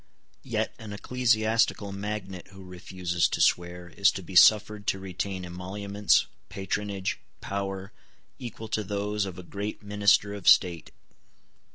Yet an ecclesiastical magnate who refuses to swear is to be suffered to retain emoluments, patronage, power, equal to those of a great minister of state.